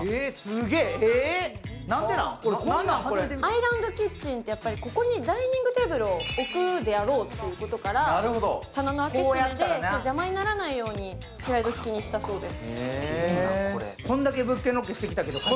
アイランドキッチンって、ここにダイニングテーブルを置くであろうということから棚の開け閉めで邪魔にならないようにスライド式にしたそうです。